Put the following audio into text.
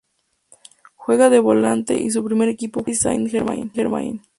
Juega de volante y su primer equipo fue Paris Saint-Germain.